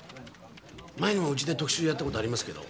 前にもうちで特集やった事ありますけど。